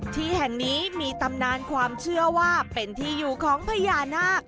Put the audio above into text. ที่แห่งนี้มีตำนานความเชื่อว่าเป็นที่อยู่ของพญานาค